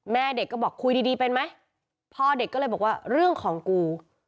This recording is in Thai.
แม่เด็กก็บอกคุยดีดีเป็นไหมพ่อเด็กก็เลยบอกว่าเรื่องของกู